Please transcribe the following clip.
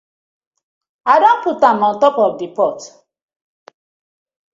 I don put am for on top of the pot.